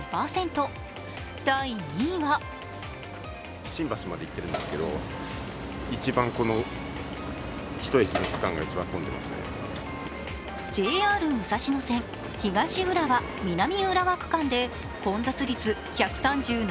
第２位はＪＲ武蔵野線、東浦和−南浦和区間で混雑率１３７％。